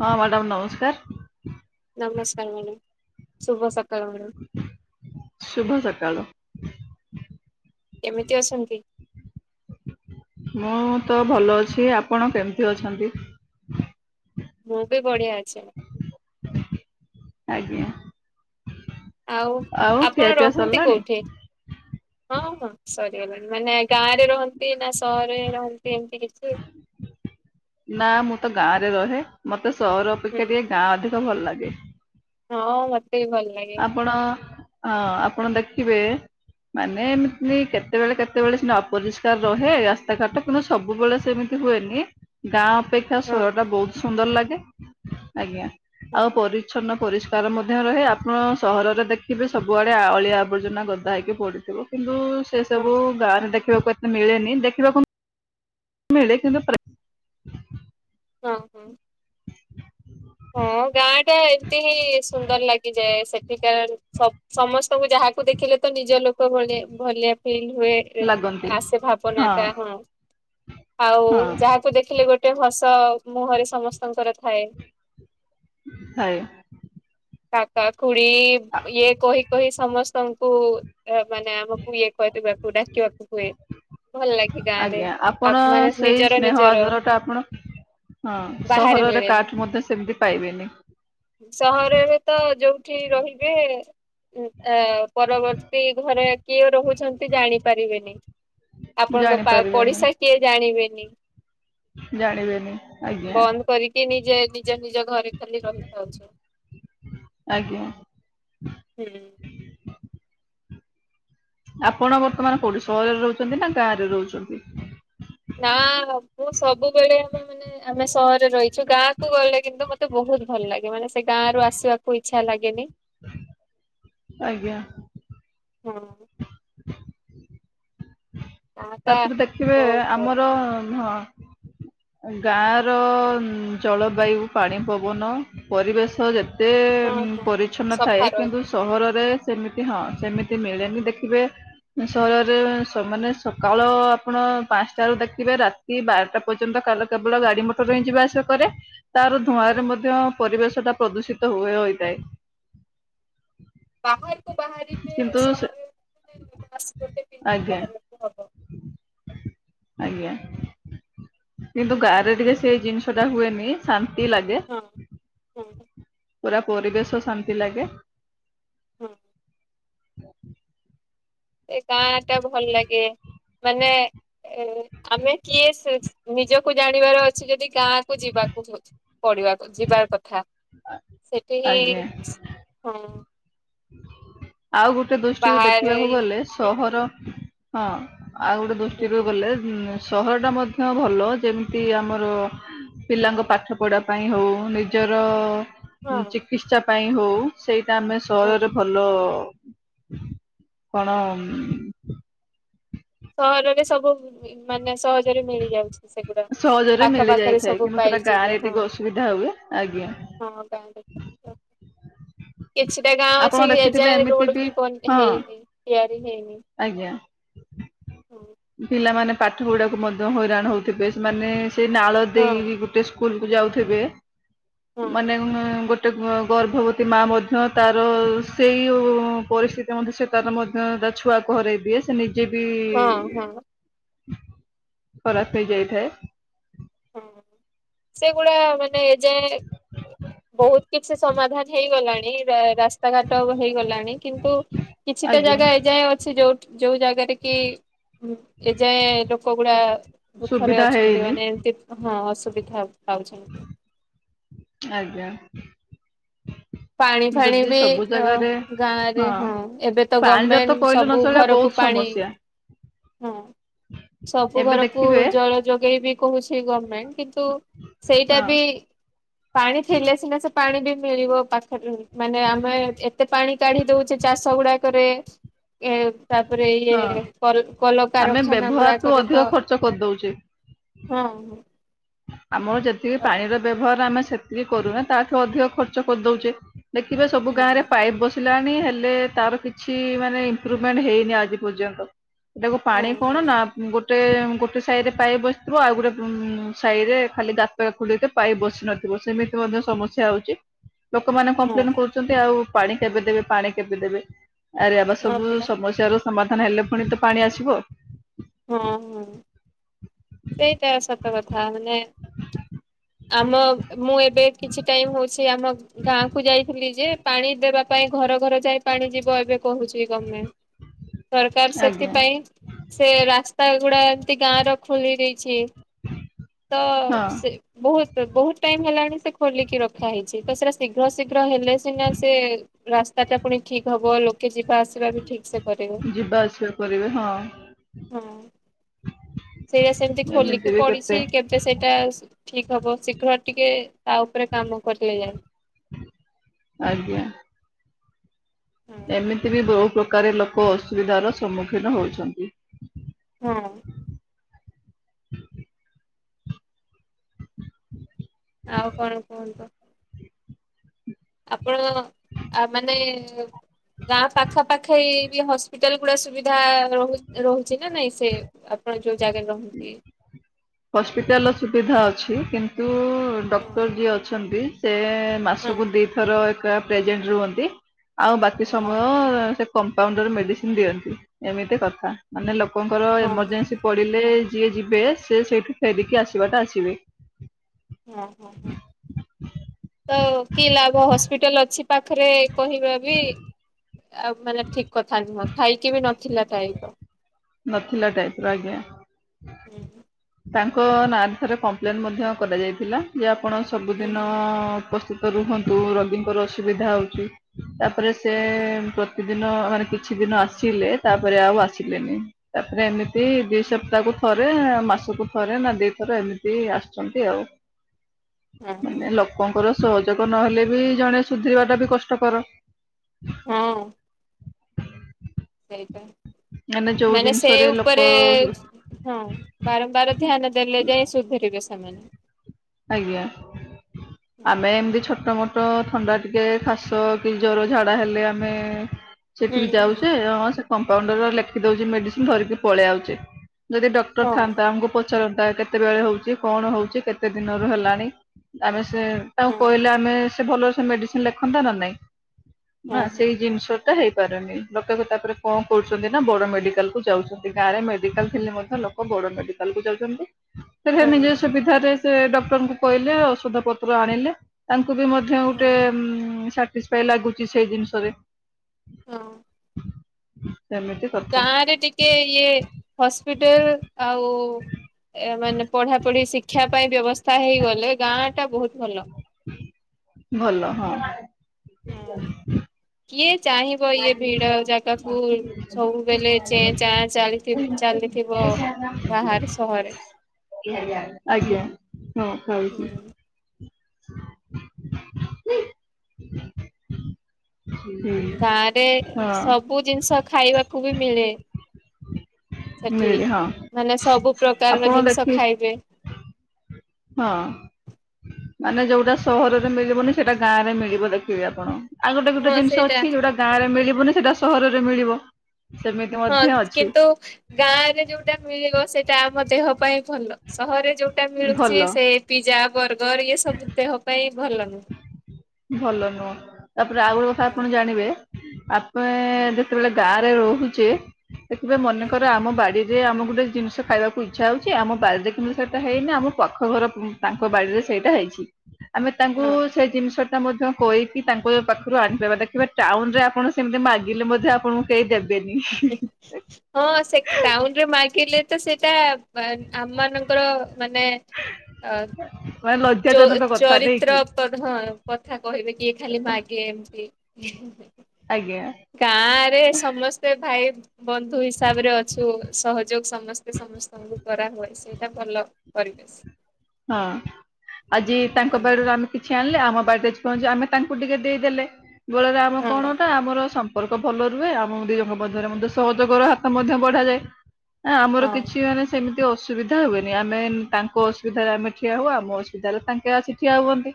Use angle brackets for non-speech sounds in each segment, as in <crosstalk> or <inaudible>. ହଁ ମ୍ୟାଡ଼ାମ ନମସ୍କାର। ନମସ୍କାର ମ୍ୟା ଶୁଭ ସ ଶୁଭ ସକାଳ। କେମିତି ଅଛନ୍ତି? ମୁଁ ତ ଭଲ ଅଛି ଆପଣ କେମିତି ଅଛନ୍ତି? ମୁ ବି ବଢେ ଆଛ? ଆଜ୍ଞା। ଆଉ ଆଉ ଆପଣ ଖିଆ ପିଆ ରହନ୍ତି ସରିଲାଣି? କୋଉଠି? ହଁ ହଁ ସରିଗଲାଣି ମାନେ ଗାଁରେ ରହନ୍ତି ନା? ତରେ ରହଛି ଏମତି କିଛି ନା ମୁଁ ତ ଗାଁରେ ରହେ ମତେ ସହର ହୁଁ ଅପେକ୍ଷା ଟିକେ ହୁଁ। ଗାଁ ଅଧିକ ଭଲ ଲାଗେ। ହଁ ମତେ ବି ଭଲ ଲାଗେ। ହଁ ଆପଣ ଦେଖିବେ। ମାନେ ଏମିତି କେତେବେଳେ କେତେବେଳେ ସେ ଅପରିଷ୍କାର ରହେ ରାସ୍ତାଘାଟ କିନ୍ତୁ ସବୁବେଳେ ସେମିତି ହୁଏନି ଗା ଅପେକ୍ଷା ହଁ ସର ଟା ହଁ ବହୁତ ସୁନ୍ଦର ଲାଗେ ଆଜ୍ଞା ଆଉ ପରିଚ୍ଛନ୍ନ ପରିଷ୍କାର ମଧ୍ୟ ରହେ। ଆପଣ ସହରରେ ଦେଖିବେ ସବୁଆଡ଼େ ଅଳିଆ ଆବର୍ଜନା ଗଦା ହେଇକି ପଡ଼ିଥିବ କିନ୍ତୁ ସେ ହଁ ହଁ ସବୁ ଗାଁରେ ଦେଖ ଦେଖିବାକୁ ଏତେ ମିଳେନି ଦେଖିବାକୁ ମିଳେ କିନ୍ତୁ- ହୁଁ ହୁଁ। ହୁଁ। ହଁ ଗାଁ ଟା ଏମିତି ହିଁ ସୁନ୍ଦର ଲାଗିଯାଏ ସେଠିକାର ସମସ୍ତଙ୍କୁ ଯାହାକୁ ଦେଖିଲେ। ତ ନିଜ ଲୋକ ଭଳି ଭଳିଆ ଫିଲ୍ ହୁଏ ଲାଗନ୍ତି ଆସେ ଭାବନା ଟା ହଁ ଆଉ ହଁ ଯାହାକୁ ଦେଖିଲେ ଗୋଟେ ହସ ମୁହଁରେ ସମସ୍ତଙ୍କର ଥାଏ। ଆରେ। କାକା ଖୁଡି ଇଏ କହି କହି ସମସ୍ତଙ୍କୁ। ମାନେ ଆମକୁ ଇଏ କରିବାକୁ ଡାକିବାକୁ ହୁଏ ଭଲ ଲାଗେ ଗାଁ ରେ ଆଜ୍ଞା ଆ ଆପଣ ମାନେ ସେଇ ନିଜର ସ୍ନେହ ନିଜର ଆଦର ଟା ଆପଣ। ହଁ ବାହାରେ ସହରରେ ମିଳେନି କାଠୁ ମୋତେ। ସହରରେ ତ ଯୋଉଠି ରହିବେ। ତା ପରବର୍ତ୍ତୀ ଘରେ କିଏ ରହୁଛନ୍ତି ଜାଣିପାରିବେନି। ଆପଣଙ୍କ ଜାଣିପାରିବେନି ପଡିଶା କିଏ ଜାଣିବେନି। ଜାଣିବେନି ଆଜ୍ଞା ବନ୍ଦ କରିକି ନିଯେ ଯ- ନିଜ ଘରେ ଖାଲି ରହିଥାଉଚି ଆଜ୍ଞା। ହୁଁ। ଆପଣ ବର୍ତ୍ତମାନ କୋଉଠି ସହରରେ ରହୁଚନ୍ତି ନା ଗାଁରେ ରହୁଚନ୍ତି? ନା ମୁଁ ସବୁବେଳେ ଆମେ ମାନେ ଆମେ ସହରରେ ରହିଚୁ ଗାଁକୁୁ ଗଲେ କିନ୍ତୁ ମତେ ବହୁତ ବହୁତ ଭଲ ଲାଗେ ମାନେ ସେ ଗାଁ ରୁ ଆସିବାକୁ ଇଛା ଲାଗେନି। ଆଜ୍ଞା। ହଁ। ଗାଁ ଟା ତାପରେ ଦେଖିବେ ବହୁତ ଭଲ ଆମର ହଁ। ଗାଁ ର ଜଳବାୟୁ ପାଣି ପବନ ପରିବେଶ ଯେତେ ଏତେ ହଁ ହଁ ପରିଚ୍ଛନ୍ନ ଥାଏ ସଫା ରହିବ କିନ୍ତୁ ହଁ ସହରରେ ସେମିତି ହଁ ସେମିତି ମିଳେନି ଦେଖିବେ ସହରରେ ସ ମାନେ ସକାଳ ଆପଣ ପାଞ୍ଚଟାରୁ ଦେଖିବେ ରାତି ବାରଟା ପ ପର୍ଯ୍ୟନ୍ତ କାଲ କେବଳ ଗାଡି ମଟର ହିଁ ଯିବା ଆସିବା କରେ ତାର ଧୂଆଁରେ ହଁ ମଧ୍ୟ ପରିବେଶ ଟା ପ୍ରଦୂଷିତ ହୁ ହୋଇଥାଏ। ବାହାରକୁ ବାହାରିବେ କିନ୍ତୁ ସେ ସହର ରେ ମାସ ଗୋଟେ ପିନ୍ଧିକି ଆଜ୍ଞା ବାହାରିବାକୁ ହବ। ଆଜ୍ଞା। କିନ୍ତୁ ଗାଁ ରେ ଟିକେ ସେଇ ଜିନିଷ ଟା ହୁଏନି ଶା ନ୍ତି ଲାଗେ ହଁ ହଁ ପୁରା ପରିବେଶ ଶାନ୍ତି ଲାଗେ। ହଁ। ସେ ଗାଁ ଟା ଭଲ ଲାଗେ ମାନେ ଏ ଆମେ କିଏ ସେ ସେ ନିଜକୁ ଜାଣିବାର ଅଛି ଯଦି ଗାଁ କୁ ଯିବାକୁ ପ୍ ପଡିବାକୁ ଯିବାର କଥା। ସେଠି ହି ଆଜ୍ଞା। ହଁ। ଆଉ ଗୋଟେ ଦୃଷ୍ଟିରୁ ବାହାରେ ଦେଖିବାକୁ ଗଲେ ହୁଁ ହୁଁ ସହର ହଁ। ଆଉ ଗୋଟେ ହୁଁ ଦୃଷ୍ଟିରୁ ଗଲେ ଉଁ ସହରଟା ମଧ୍ୟ ଭଲ ଯେମିତି ଆମର ପିଲାଙ୍କ ପାଠ ପଢା ପାଇଁ ହୋଉ ନିଜର ହଁ ଚିକିତ୍ସା ପାଇଁ ହୋଉ ସେଇଟା ଆମେ ସହରରେ ହଁ ଭଲ କଣ ଉଁ ସହରରେ ସବୁ ମି-ମି ମାନେ ସହ ଜରେ ମିଳିଯାଉଚି। ସେଗୁଡା ସହଜରେ ପାଖ ମିଳି ପାାଖରେ ଯାଇଥାଏ ସବୁ କିନ୍ତୁ ସେଟା ଗାଁ ପାଇଯିବେ ରେ ହଁ। ଟିକେ ଅସୁବିଧା ହୁଏ ଆଜ୍ଞା ହଁ ତାହେଲେ କରିଦିଅ। <inaudible> କିଛିଟା ଗାଁ ଆପଣ ଅଛି ଦେଖିଥିବେ ଏଯାଏଁ ଏମିତି ରୋଡ୍ ବି ପଂ ହଁ ହେଇନି ତିଆରି ହେଇନି। ଆଜ୍ଞା। ହଁ। ପିଲାମାନେ ପାଠ ପଢିବାକୁ ମଧ୍ୟ ହଇରାଣ ହୋଉଥିବେ। ସେମାନେ ସେ ନାଳ ହଁ ଦେଇ ଗୁଟେ ସ୍କୁଲକୁ ଯାଉଥିବେ ହଁ ମାନେ ଉଁ ଗୋଟେ ଗର୍ଭବତୀ ମା ମଧ୍ୟ ତାର ସେଇ ପରିସ୍ଥିତି ମଧ୍ୟ ସେ ତାର ମଧ୍ୟ ତା ଛୁଆକୁ ହରେଇ ଦିଏ। ସେ ନି ଯ ବି ହଁ ହଁ ଖରାପ ହେଇଯାଇଥାଏ। ହଁ ସେଗୁଡା ମାନେ ଏ ଯାଏ ବହୁତ କିଛି ସମାଧାନ ହେଇଗଲାଣି ର ରାସ୍ତାଘାଟ ହେଇଗଲାଣି କିନ୍ତୁ କିଛିଟା ଆଜ୍ଞା ଜାଗା ଏଯାଏଁ ଅଛି ଯୋଉଠି ଯୋଉ ଜାଗାରେ କି ଏଯାଏଁ ଲୋକ ଗୁଡା ଦୁଃଖରେ ସୁବିଧା ଅଛନ୍ତି ହେଇନି ମାନେ ହଁ ଅସୁବିଧା ପାଉଛନ୍ତି। ଆଜ୍ଞା। ପାଣି ଫାଣି ଯଦି ବି ସବୁ ଅ ଜାଗାରେ ଗାଁ ରେ ହଁ ଏବେ ତ ପାଣି ଜାତ ଗଭର୍ଣମେଣ୍ଟ କହିଲ ସବୁ ନଚଳଆ ଘରକୁ ବହୁତ ସମୟ ପାଣି ସମସ୍ୟା ହଁ ସବୁ ଏବେ ଘରକୁ ଦେଖିବେ ଜଳ ଯୋଗେଇ ବି କହୁଛି ଗଭର୍ଣମେଣ୍ଟ କିନ୍ତୁ ତୁ ସେଇଟା ହଁ ବି ପାଣି ଥିଲେ ସିନା ସେ ପାଣି ବି ମିଳିବ ପାଖରେ ହିଁ ମାନେ ଆମେ ଏତେ ପାଣି କାଢି ଦଉଛେ ଚାଷ ଗୁଡାକରେ ଏ ତାପରେ ହଁ ଇଏ ଆମେ କଲକାରଖାନା ବ୍ୟବହାରଠୁ ଗୁଡାକରେ ତ ଅଧିକ ଖର୍ଚ୍ଚ କରିଦଉଛେ ହଁ ହ। ଆମର ଯେତିକି ପାଣିର ବ୍ୟବହାର ଆମେ ସେତିକି କରୁନ ତାଠୁ ଅଧିକ ଖର୍ଚ୍ଚ କରିଦଉଛେ। ଦେଖିବେ ସବୁ ହୁଁ ଗାଁରେ ପାଇପ୍ ବସିଲେ ହେଲେ ତାର କିଛି ମାନେ ଇମ୍ପୃଭମେଣ୍ଟ ହେଇନି ଆଜି ପର୍ଯ୍ୟନ୍ତ। ସେଟାକୁ ପାଣି ହଁ କଣ ହଁ ନା ଗୋଟେ ଗୋଟେ ସାଇଡରେ ପାଇ ବସିଥିବ ଆଉ ଗୋଟେ ଉ ସାହି ରେ ଖାଲି ଦା ଖୋଳ ପାଇ ବସି ନଥିବ ସେମିତି ମଧ୍ୟ ସମସ୍ୟା ହଉଛି। ଲୋକମାନେ ହଁ କମ୍ପ୍ଲେନ କରୁଛନ୍ତି ଆଉ ପାଣି କେବେ ଦେବେ ପାଣି କେବେ ଦେବେ? ଆରେ ଏବା ହଁ ସବୁ ପରା ସମସ୍ୟ ର ସମାଧାନ ହେଲେ ପୁଣି ତ ପାଣି ଆସିବ। ହଁ ହଁ ସେଇଟା ସତ କଥା ମାନେ ଆମ ମୁଁ ଏବେ କିଛି ଟାଇମ୍ ହଉଛି ଆମ ଗାଁ କୁ ଯାଇଥିଲି ଯେ ପାଣି ଦେବା ପାଇଁ ଘର ଘର ଯାଇ ପାଣି ଯିବ ଏବେ କହୁଛି ଗମେ ସରକାର ଆଜ୍ଞା। ସେଥିପାଇଁ ସେ ରାସ୍ତା ଗୁଡା ଏମତି ଗାଁ ର ଖଲି ଦେଇଛି ତ ହଁ ସେ ବହୁତ ତ ବହୁତ ଟାଇମ ହେଲାଣି ସେ ଖୋଲିକି ରଖା ହେଇଛି ତ ସେଟା ଶୀଘ୍ର ଶୀଘ୍ର ହେଲେ ସିନା ସେ ରାସ୍ତା ଟା ପୁଣି ଠିକ୍ ହବ। ଲୋକେ ଯିବେ। ବା ଆସିବା ବି ଠିକ ସେ କରିବ ଯିବା ଆସିବା କରିବେ ହଁ ହଁ ହ ସେଇଆ ସେମିତି ଏମିତି ଖୋଲିକି ବି କେତେ ପଡିଛି। କେବେ ସେଇଟା ଠିକ୍ ହବ। ଶୀଘ୍ର ଟିକେ ତା ଉପରେ କାମ କଟଲେ ଯା ଆଜ୍ଞା। ହଁ ଏମିତି ବି ବହୁ ପ୍ରକାର ଲୋକ ଅସୁବିଧାର ସମ୍ମୁଖୀନ ହଉଛନ୍ତି। ହଁ। ଆଉ କଣ କୁହନ୍ତୁ? ଆପଣ ଆ ମାନେ ଗାଁ ପାଖା ପାଖି ବି ହସ୍ପିଟାଲ ଗୁଡା ସୁବିଧା ସୁଧା ର ରହୁଛି ନା ନାଇଁ ସେ ଆପଣ ଯୋଉ ଜାଗାରେ ରହନ୍ତି। ହସ୍ପିଟାଲ ର ସୁବିଧା ଅଛି କିନ୍ତୁ ହଁ ଡକ୍ଟର ଯିଏ ଅଛନ୍ତି ସେ ହଁ ମାସକୁ ଦିଥର ଏକା ପ୍ରେଜେଣ୍ଟ ରୁହନ୍ତି। ଆଉ ବାକି ଓହୋ ହଁ ସମୟ ସେ କ ପାଉଣ୍ଡର ମେଡ଼ିସିନ ଦିଅନ୍ତି ଏମିତି କଥା ମାନେ ଲୋକଙ୍କର ହଁ। ହଁ। ଏମର୍ଜେନ୍ସି ପଡ଼ିଲେ ଯିଏ ଯିବେ ସେ ସେଇଠୁ ଫେରିକି ଆସିବାଟା ଆସିବେ ଓ ହୋ ହୋ ତ କି ଲାଭ ହସ୍ପିଟାଲ୍ ଅଛି। ପାଖରେ କହିବା ବି ଆଉ ମାନେ ଠିକ କଥା ନୁହଁ ଥାଇକି ବି ନଥିଲା ଥାଇକ <unintelligible> ତାଙ୍କ ନାଁରେ ଥରେ କମ୍ପ୍ଲେନ୍ ମଧ୍ୟ କରାଯାଇଥିଲା। ଯେ ଆପଣ ହୁଁ ସବୁଦିନ ହୁଁ ଉପସ୍ଥିତ ରୁହନ୍ତୁ ରୋଗୀଙ୍କର ଅସୁବିଧା ହଉଛି ତାପରେ ସେ ଆଜ୍ଞା କିଛି ଦିନ ମାନେ କିଛି ଦିନ ଆସିଲେ ତାପରେ ଆଉ ଆସିଲେନି ତାପରେ ଏମିତି ଦି ସପ୍ତାହକୁ ଥରେ ମାସକୁ ଥରେ ନା ଦେଇ ଥରେ ଏମିତି ଆସିଛନ୍ତି ଆଉ। ହ ମାନେ ଲୋକଙ୍କର ସହଯୋଗ ନହେଲେ ବି ଜଣେ ସୁଧରିବା ଟା ବି କଷ୍ଟକର ହ। ସେଇ ତ ମାନେ ଯୋଉ ମାନେ ସେ ଜିନିଷରେ ଲୋକ ଉପରେ ହଁ ବାରମ୍ବାର ଧ୍ୟାନ ଦେଲେ ଯାଇ ସୁଧରିବସ୍ତ। <unintelligible> ଆଜ୍ଞା ଆମେ ଏମତି ଛୋଟ ମୋଟ ଥଣ୍ଡା ଟିକେ ଖାସ କି ଜର ଝାଡା ହେଲେ ଆମେ ହୁଁ ସେଠିକି ହୁଁ ଯାଉଛେ ଅଅ ସେ କମ୍ପାଉଣ୍ଡର ଲେଖି ଦଉଛି ମେଡିସିନ ଧରିକି ପଳେଇଆଉଛେ। ଯଦି ଡକ୍ଟର ହଁ ଥାନ୍ତା ଆମକୁ ପଚାରନ୍ତା କେତେବେଳେ ହଉଛି କଣ ହଉଛି କେ କେତେ ଦିନରୁ ହେଲାଣି ଆମେ ସେ ତାଙ୍କୁ ହଁ କହିଲେ ଆମେ ସେ ଭଲ ସେ ମେଡ଼ିସିନ୍ ଲେଖନ୍ତେ ନା ନାହିଁ, ନା ହଁ ସେଇ ଜିନିଷ ହେଇପାରୁନି ଲୋକେ ତାପରେ କଣ କରୁଛନ୍ତି ନା ବଡ ମେଡିକାଲ କୁ ଯାଉଛନ୍ତି। ଗାଁରେ ମେଡିକାଲ ଥିଲେ ମଧ୍ୟ ଲୋକ ବୌଡ ମେଡିକାଲ କୁ ଯାଉଛନ୍ତି। ସେଠା ହଁ ନିଜ ସୁବିଧାରେ ସେ ଡକ୍ଟରଙ୍କୁ କହିଲେ ଔଷଧ ପତ୍ର ଆଣିଲେ ତା କୁ ବି ମଧ୍ୟ ହଁ ଗୋଟେ ହଁ ସାଟିସଫାଇ ଲାଗୁଛି ସେଇ ଜିନିଷରେ ହଁ। ସେମିତି କଥା। ଗାଁ ରେ ଟିକେ ଇଏ ହସ୍ପିଟାଲ୍ ଆଉ ମାନେ ପଢା ପଢି ଶିକ୍ଷା ପାଇଁ ବ୍ୟବସ୍ଥା ହେଇଗଲେ ଗାଁ ଟା ବହୁତ ଭଲ। ଭଲ ହଁ ହୁଁ <unintelligible> କିଏ ଚାହିଁବ ଇଏ ଭିଡ ଜାଗାକୁ ସବୁବେଳେ ଚ ଚାଁ ଚାଲି ଚାଲିଥିବ। ବାହହାର ସହରେ। ଆଜ୍ଞା ହଁ ଖାଉଛି। ହୁଁ <inaudible> ହୁଁ। ରେ ସବୁ ଜିନିଷ ଖାଇବାକୁ ବି ମିଳେ। ସେଠି ମିଳି ହଁ ମାନେ ସବୁ ପ୍ରକାରର ଆପଣ ଜିନିଷ ଦେଖି ଖାଇବେ। ହଁ ମାନେ ଯୋଉଟା ସହରରେ ମିଳିବନି ସେଇଟା ଗାଁ ରେ ମିଳିବ ଦେଖିବେ ଆପଣ। ଆଉ ଗୋଟେ ଗୋଟେ ହଁ ଜିନିଷ ସେଇଟା ଅଛି ଯୋଉଟା ଗାଁରେ ମିଳିବନି ସେଇଟା ସହରରେ ମିଳିବ। ସେମିତି ହଁ ମଧ୍ୟ ଅଛି କିନ୍ତୁ ଗାଁ ରେ ଯୋଉଟା ମିଳିବ ସେଇଟା ଆମ ଦେହ ପାଇଁ ଭଲ ସହରରେ ଯୋଉଟା ଭଲ ମିଳୁଛି ସେ ପିଜା ବର୍ଗର ଇଏ ସବୁ ଦେହ ପାଇଁ ଭଲ ନୁହେଁ। ଭଲ ନୁହଁ ତାପରେ ଆଉ ଗୋଟେ କଥା ନୁହଁ ଆପଣ ଜାଣିବେ ଆପେ ଯେତେବେଳେ ଗାଁରେ ରହୁଛେ ଦେଖିବେ ମନେକର ଆମ ବାଡି ଯେ ଆମେ ଗୋଟେ ଜିନିଷ ଖାଇବାକୁ ଇଚ୍ଛା ହଉଛି ଆମ ବାରରେ କିନ୍ତୁ ସେଇଟା ହେଇନି ଆମ ପାଖ ଘର ତାଙ୍କ ବାଡ଼ିରେ ସେଇଟା ହେଇଛି, ଆମେ ତାଙ୍କୁ ହଁ ସେ ଜିନିଷ ମଧ୍ୟ କହିକି ତାଙ୍କ ପାଖରୁ ଆଣିପାରିବା ଦେଖିବାେ ଟାଉନ ରେ ଆପଣ ସେମିତି ମାଗିଲେ ମଧ୍ୟ ଆପଣଙ୍କୁ କେହି ଦେବେ ହଁ ସେ ଟାଉନରେ ମାଗିଲେ ତ ସେଇଟା ଆମ ମାନଙ୍କର ମାନେ ଅ ମାନେ ଲଜ୍ଜାଜନକ କଥା ନାଇଁ ଚରିତ୍ର କି କଥା କହିବେ କିଏ ଖାଲି ମାଗେ ଏମତି। <inaudible> ଆଜ୍ଞା। ଗାଁ ରେ ସମସ୍ତେ ଭାଇ ବନ୍ଧୁ ହିସାବରେ ଅଛୁ ସହଯୋଗ ସମସ୍ତେ ସମସ୍ତଙ୍କୁ କରାହୁଏ ସେଇଟା ଭଲ ପରିବେଶ ହଁ ଆଜି ତାଙ୍କ ହଁ ବାରରୁ ଆମେ କିଛି ଆଣିଲେ ଆମ ଆମ ବାଡ଼ିରେ ପୁହଞ୍ଚୁ ଆମେ ତାଙ୍କୁ ଟିକେ ଦେଇଦେଲେ ବେଳରେ ଆମ କଣଟା ଆମର ସମ୍ପର୍କ ଭଲ ରୁହେ ଆଉ ଦିଜଙ୍କ ମଧ୍ୟରେ ମଧ୍ୟ ସହଯୋଗର ହାତ ମଧ୍ୟ ବଢାଯାଏ। ଆମର ହଁ କିଛି ମାନେ ସେମିତି ଅସୁବିଧା ହୁଏନି ଆମେ ତାଙ୍କ ଅସୁବିଧାରେ ଆମେ ଠିଆ ହଉ ଆମ ଅସୁବିଧାରେ ତାଙ୍କେ ଆସି ଠିଆ ହୁଅନ୍ତି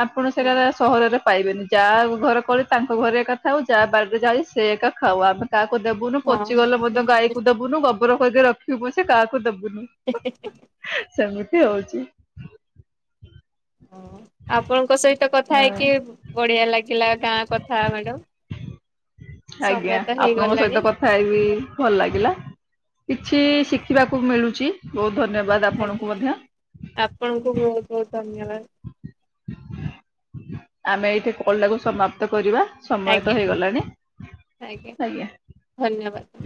ଆପଣ ସେଟା ହଁ ସହରରେ ପାଇବେନି ଯାହା ଘର କଳି ତାଙ୍କ ଘରେ ଏକା ଥାଉ ଯାହା ବାଡ଼ିରେ ଯାାଇ ସେ ଏକା ଖାଉ ଆମେ କାହାକୁ ଦେବୁନୁ ପଚିଗଲେ ମଧ୍ୟ ଗାଈକୁ ଦେବୁନୁ ଗୋବର ଖକି ରଖିବୁ ସେ କାହାକୁ ଦବୁନି ସେମିତି ହଉଛି। ହ ଆପଣଙ୍କ ସହିତ ଗତ କଥା ହୁଁ ହେଇକି ବଢିଆ ଲାଗିଲା ଗାଁ କଥା ମ୍ୟାଡ ଆଜ୍ଞା ଆପଣଙ୍କ ସହିତ କଥା ହେଇବି ଭଲ ଲାଗିଲା। କିଛି ହଁ ହଁ ଶିଖିବାକୁ ମିଳୁଛି। ବହୁତ ଧନ୍ୟବାଦ ଆପଣଙ୍କୁ ଆଜ୍ଞା ମଧ୍ୟ। ଆପଣଙ୍କୁ ବହୁତ ବହୁତ ଧନ୍ୟବାଦ। <inaudible> ଆମେ ଏଇଠି କଲ ଟାକୁ ସମାପ୍ତ କରିବା। ସମୟ ତ ଆଜ୍ଞା ହେଇଗଲାଣି ଆଜ୍ଞା ଧନ୍ୟବାଦ।